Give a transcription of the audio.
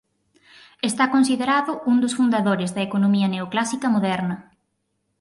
Está considerado un dos fundadores da economía neoclásica moderna.